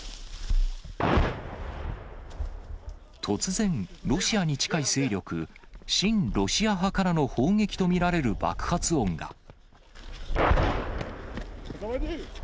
突然、ロシアに近い勢力、親ロシア派からの砲撃と見られる爆発音が。